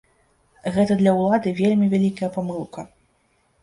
Гэта для ўлады вельмі вялікая памылка.